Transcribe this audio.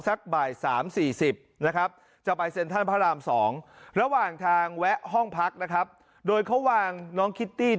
สักบ่ายสามสี่สิบนะครับจะไปเซ็นทรัลพระรามสอง